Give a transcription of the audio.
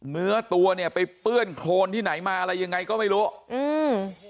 เนื้อตัวเนี้ยไปเปื้อนโครนที่ไหนมาอะไรยังไงก็ไม่รู้อืม